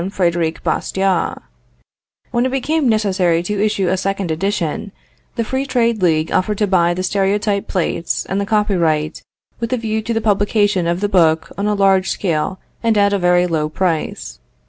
Frederic Bastiat." When it became necessary to issue a second edition, the Free Trade League offered to buy the stereotype plates and the copyright, with a view to the publication of the book on a large scale and at a very low price.